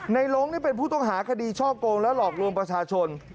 ลงนี่เป็นผู้ต้องหาคดีช่อโกงและหลอกลวงประชาชน